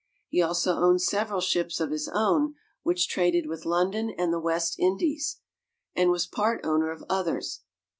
He also owned several ships of his own which traded with London and the West Indies, and was part owner of others.